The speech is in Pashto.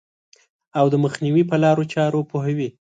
او د مخنیوي په لارو چارو پوهوي.